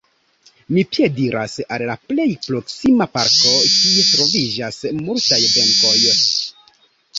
Mi piediras al la plej proksima parko, kie troviĝas multaj benkoj.